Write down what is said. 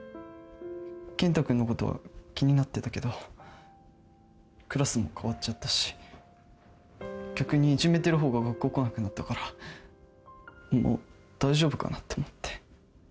健太君のことは気になってたけどクラスも変わっちゃったし逆にいじめてる方が学校来なくなったからもう大丈夫かなって思って。